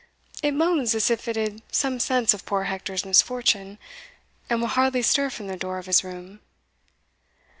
it moans as if it had some sense of poor Hector's misfortune, and will hardly stir from the door of his room."